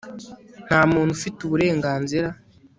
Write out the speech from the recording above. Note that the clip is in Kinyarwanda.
nta muntu ufite uburenganzira